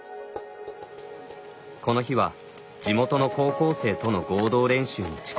この日は地元の高校生との合同練習に遅刻。